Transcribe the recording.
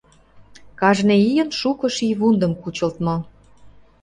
Кажне ийын шуко шийвундым кучылтмо.